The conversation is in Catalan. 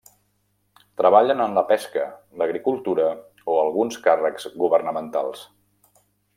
Treballen en la pesca, l'agricultura o alguns càrrecs governamentals.